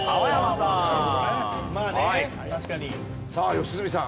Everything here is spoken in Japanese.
さあ良純さん。